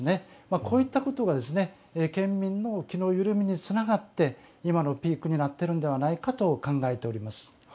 こういったことが県民の気の緩みにつながって今のピークになっているんではないかと考えております。